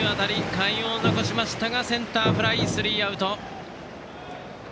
快音を残しましたがセンターフライでスリーアウト。